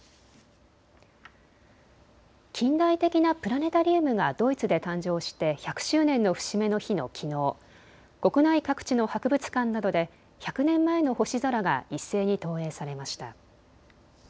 近代的なプラネタリウムがドイツで誕生して１００周年の節目の日のきのう、国内各地の博物館などで１００年前の星空が一斉に投影されました。